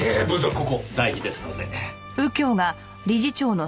ここ大事ですので。